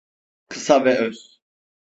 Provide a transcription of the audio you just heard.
Kısa ve öz.